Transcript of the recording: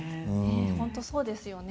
本当そうですよね。